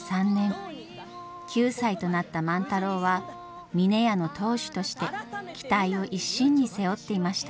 ９歳となった万太郎は峰屋の当主として期待を一身に背負っていました。